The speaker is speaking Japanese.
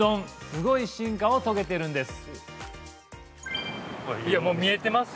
すごい進化を遂げているんです。